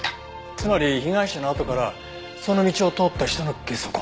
つまり被害者のあとからその道を通った人のゲソ痕。